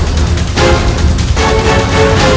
akan kualifikasi pertemuan